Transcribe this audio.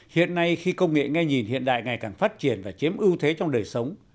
hiện nay khi công nghệ nghe nhìn hiện đại ngày càng phát triển và chiếm ưu thế trong đời sống